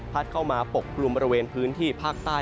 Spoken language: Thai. พัดเข้ามาปกปรุงบริเวณพื้นที่ภาคใต้